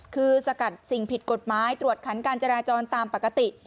คือสกัดสิ่งผิดกฎหมายตรวจขันการจราจรตามปกติ